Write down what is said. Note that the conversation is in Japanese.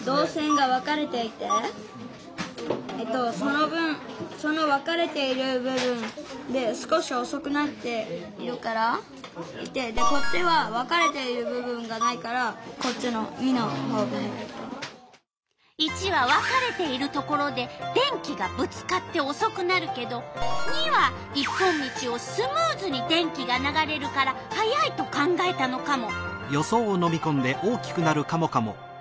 その分その分かれている部分ででこっちは①は分かれているところで電気がぶつかっておそくなるけど②は一本道をスムーズに電気が流れるから速いと考えたのカモ。